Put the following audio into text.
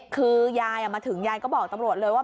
คือยายมาถึงยายก็บอกตำรวจเลยว่า